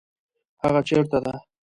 هغه چیرته ده؟